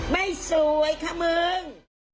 ไม่สวยค่ะมึง